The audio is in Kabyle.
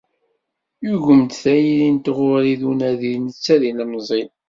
Yugem-d tayri n tɣuri d unadi netta d ilemẓi.